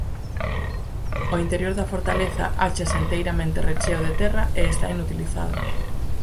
O interior da fortaleza áchase enteiramente recheo de terra e está inutilizado.